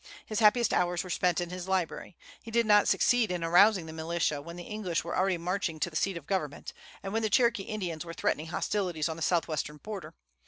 His happiest hours were spent in his library. He did not succeed in arousing the militia when the English were already marching to the seat of government, and when the Cherokee Indians were threatening hostilities on the southwestern border.